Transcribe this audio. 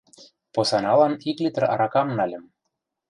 Посаналан ик литр аракам нальым.